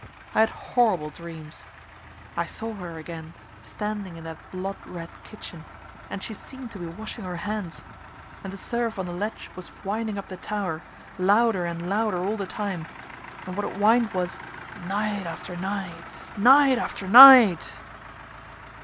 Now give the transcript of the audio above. I had horrible dreams. I saw her again standing in that blood red kitchen, and she seemed to be washing her hands, and the surf on the ledge was whining up the tower, louder and louder all the time, and what it whined was, "Night after night night after night."